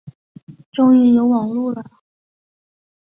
终于有网路了